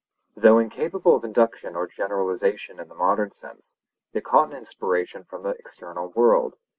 Though incapable of induction or generalization in the modern sense, they caught an inspiration from the external world.